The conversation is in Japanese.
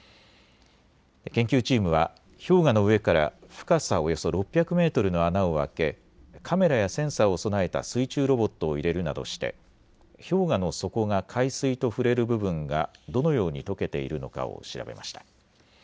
研究チームは氷河の上から深さおよそ６００メートルの穴を開けカメラやセンサーを備えた水中ロボットを入れるなどして氷河の底が海水と触れる部分がどのようにとけているのかを調べました。